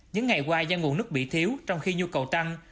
những ngày qua do nguồn nước bị thiếu trong khi nhu cầu tăng